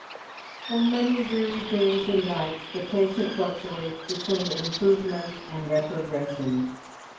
For many weary days and nights the patient fluctuates between improvement and retrogression.